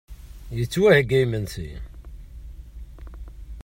Ittwaheyya yimensi.